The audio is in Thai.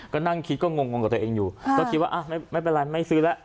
ก็นั่งคิดก็งงกับตัวเองอยู่ก็คิดว่าไม่เป็นไรไม่ซื้อแล้ว